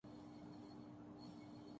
”مت پوچھو بس یوں سمجھو، غضب ہو گیا ہے۔